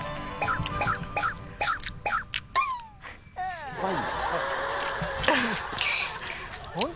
酸っぱい？